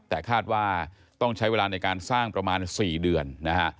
แต่คาดว่าต้องใช้เวลาในการสร้างประมาณ๔เดือนนะฮะ